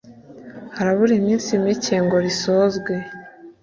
Harabura iminsi mike ngo risozwe